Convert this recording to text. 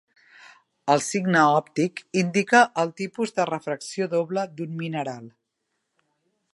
El signe òptic indica el tipus de refracció doble d'un mineral.